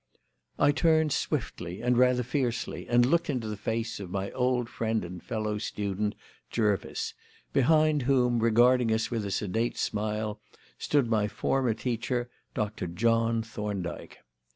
I turned swiftly and rather fiercely, and looked into the face of my old friend and fellow student, Jervis, behind whom, regarding us with a sedate smile, stood my former teacher, Dr. John Thorndyke.